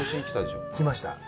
きました。